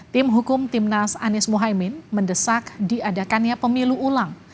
tim hukum timnas anies mohaimin mendesak diadakannya pemilu ulang